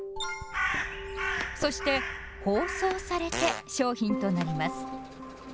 そして「包装」されて商品となります。